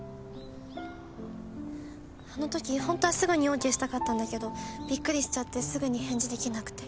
あのときホントはすぐにＯＫしたかったんだけどびっくりしちゃってすぐに返事できなくて。